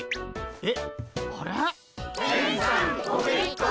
えっ？